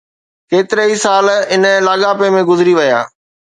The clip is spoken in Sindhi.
ڪيترائي سال ان لاڳاپي ۾ گذري ويا.